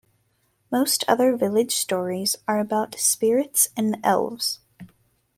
Most other village stories are about spirits and elves.